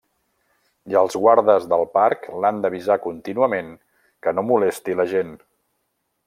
I els guardes del parc l'han d'avisar contínuament que no molesti la gent.